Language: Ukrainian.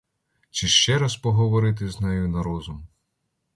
Чи ще раз поговорити з нею на розум?